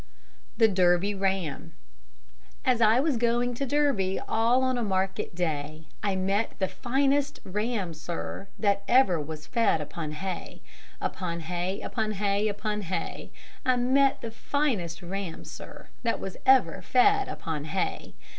THE DERBY RAM As I was going to Derby all on a market day, I met the finest ram, sir, that ever was fed upon hay; Upon hay, upon hay, upon hay; I met the finest ram, sir, that ever was fed upon hay.